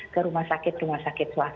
ke rumah sakit rumah sakit swasta